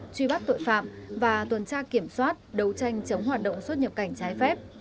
truy bắt tội phạm và tuần tra kiểm soát đấu tranh chống hoạt động xuất nhập cảnh trái phép